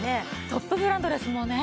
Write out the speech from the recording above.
トップブランドですもんね。